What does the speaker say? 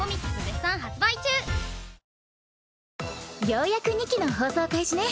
ようやく２期の放送開始ね。